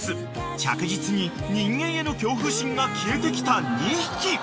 ［着実に人間への恐怖心が消えてきた２匹］